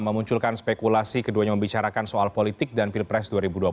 memunculkan spekulasi keduanya membicarakan soal politik dan pilpres dua ribu dua puluh empat